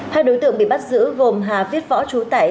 hai đối tượng bị bắt giữ gồm hà viết võ chú tẩy